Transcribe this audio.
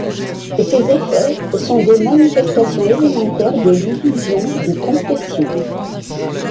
Ces effets sont des manifestations élémentaires de l'illusion de complétion.